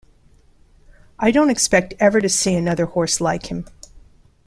I don't expect ever to see another horse like him.